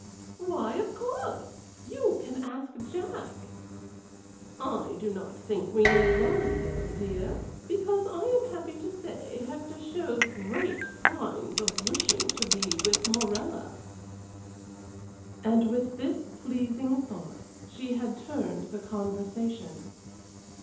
"Why, of course! You can ask Jack." "I do not think we need worry, though, dear, because I am happy to say Hector shows great signs of wishing to be with Morella." And with this pleasing thought she had turned the conversation.